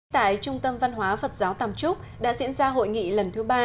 tại trung tâm văn hóa phật giáo tàm trúc đã diễn ra hội nghị lần thứ ba